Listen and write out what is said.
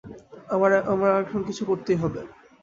আমার এখন কিছু করতেই হবে।